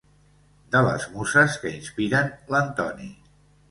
De les muses que inspiren l'Antoni.